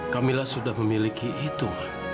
kamila sudah memiliki itu